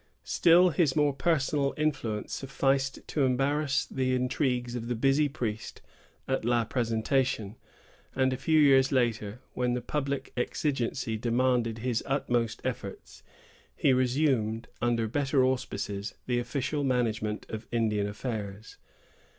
Still his mere personal influence sufficed to embarrass the intrigues of the busy priest at La Présentation; and a few years later, when the public exigency demanded his utmost efforts, he resumed, under better auspices, the official management of Indian affairs.